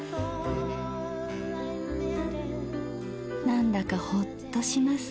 なんだかホッとします。